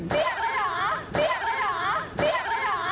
เปียกอะไรเหรอ